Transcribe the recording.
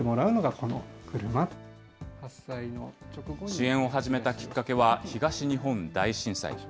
支援を始めたきっかけは、東日本大震災。